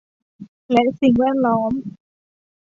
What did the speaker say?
และสิ่งแวดล้อม